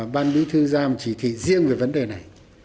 ban bí thư giam chỉ thị riêng về vấn đề này